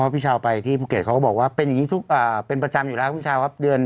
พี่ชาวไปที่ภูเกษก็บอกว่าเป็นประจำอยู่แล้วครับ